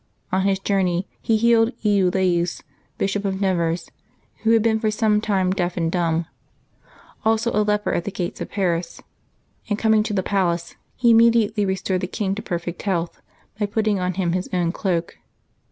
On his journey he healed Eul alius, Bishop of Nevers, who had been for some time deaf and dumb; also a leper, at the gates of Paris; and coming to the palace he immediately restored the king to perfect health, by putting on him his own cloak.